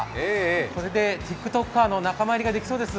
これでＴｉｋＴｏｋｅｒの仲間入りができそうです。